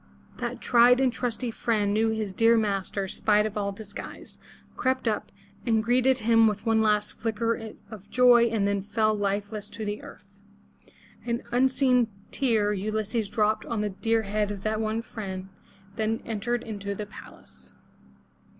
That tried and trusty friend knew his dear master spite of all disguise, crept up, and greeted him with one last flicker of joy and then fell lifeless to the earth. An unseen tear Ulysses dropped on the dear head of that one friend, then entered into the palace.